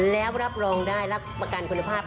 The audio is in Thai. แล้วรับรองได้รับประกันคุณภาพ